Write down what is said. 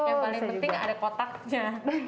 yang paling penting ada kotaknya